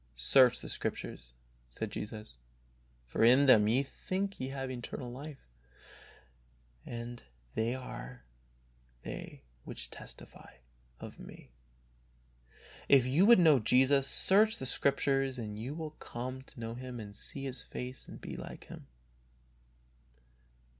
"Search the Scriptures," said Jesus, "for in them ye think ye have eternal life ; and they are they which testify of Me." If you would know Jesus, search the Scriptures, and you will come to know Him and see His face, and be like Him.